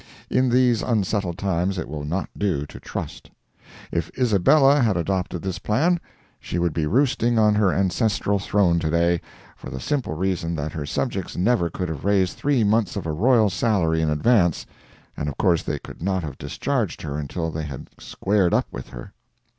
In these unsettled times it will not do to trust. If Isabella had adopted this plan, she would be roosting on her ancestral throne to day, for the simple reason that her subjects never could have raised three months of a royal salary in advance, and of course they could not have discharged her until they had squared up with her.